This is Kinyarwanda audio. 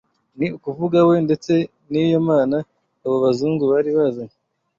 ni ukuvuga we ndetse n’iyo Mana abo bazungu bari bazanye